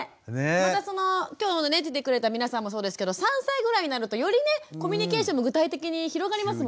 また今日出てくれた皆さんもそうですけど３歳ぐらいになるとよりねコミュニケーションも具体的に広がりますもんね。